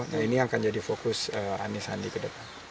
nah ini yang akan jadi fokus anies sandi ke depan